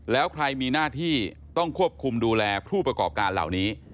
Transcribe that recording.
แล้วใครมีหน้าที่ต้องควบคุมดูแลผู้ประกอบการเหล่านี้